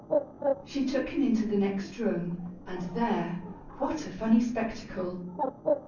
She took him into the next room, and there what a funny spectacle!